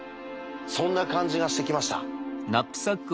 そんな感じがしてきました。